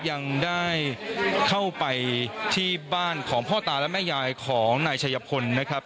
ยังได้เข้าไปที่บ้านของพ่อตาและแม่ยายของนายชัยพลนะครับ